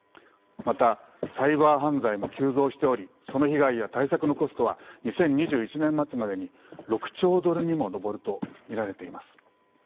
またサイバー犯罪も急増しておりその被害や対策のコストは２０２１年末までに６兆ドルにも上ると見られています。